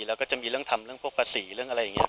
แล้วก็จะมีเรื่องทำเรื่องพวกภาษีเรื่องอะไรอย่างนี้